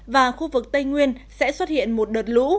và khu vực tây nguyên sẽ xuất hiện một đợt lũ